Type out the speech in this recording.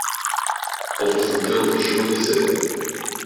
cent soixante-quinze chemin des Cedres